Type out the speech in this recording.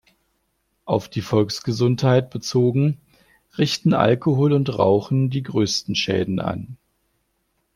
Auf die Volksgesundheit bezogen richten Alkohol und Rauchen die größten Schäden an.